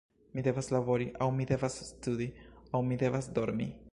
Mi devas labori, aŭ mi devas studi, aŭ mi devas dormi.